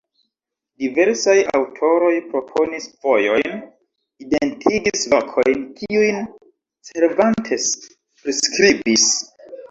Diversaj aŭtoroj proponis vojojn, identigis lokojn kiujn Cervantes priskribis.